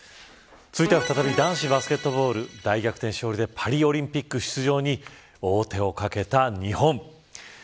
続いては再び男子バスケットボール大逆転勝利でパリオリンピック出場に王手をかけた日本。